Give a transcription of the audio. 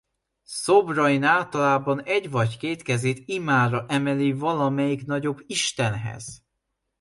Szobrain általában egy vagy két kezét imára emeli valamelyik nagyobb istenhez.